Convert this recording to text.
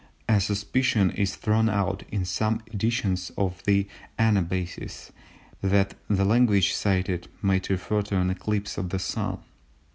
A suspicion is thrown out in some editions of the Anabasis that the language cited might refer to an eclipse of the Sun.